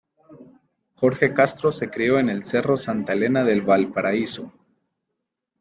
Jorge Castro se crio en el cerro Santa Elena de Valparaíso.